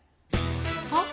はっ？